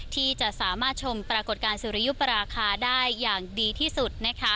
ที่จะสามารถชมปรากฏการณ์สุริยุปราคาได้อย่างดีที่สุดนะคะ